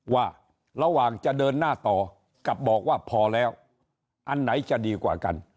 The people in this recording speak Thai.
ว่าระหว่างจะเดินหน้าต่อกับบอกว่าพอแล้วอันไหนจะดีกว่ากัน